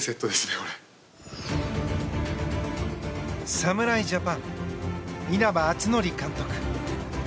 侍ジャパン稲葉篤紀監督。